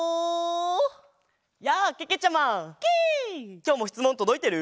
きょうもしつもんとどいてる？